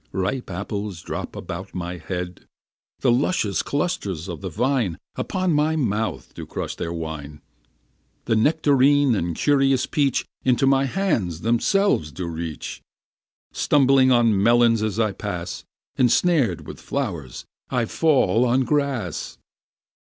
Ripe apples drop about my head; The luscious clusters of the vine Upon my mouth do crush their wine; The nectarine and curious peach Into my hands themselves do reach; Stumbling on melons as I pass, Ensnared with flowers, I fall on grass.